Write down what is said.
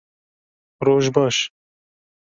Roj baş!